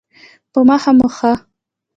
په مخه مو ښه؟